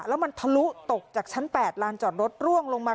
แล้วมันทะลุตกจากชั้น๘ลานจอดรถร่วงลงมา